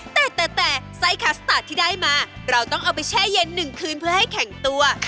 แต่แต่ไส้คัสตาร์ทที่ได้มาเราต้องเอาไปแช่เย็น๑คืนเพื่อให้แข็งตัว